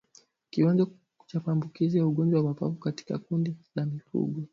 Kiwango cha maambukizi ya ugonjwa wa mapafu katika kundi la mifugo